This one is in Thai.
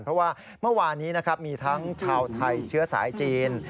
เพราะว่าเมื่อวานนี้นะครับมีทั้งชาวไทยเชื้อสายจีน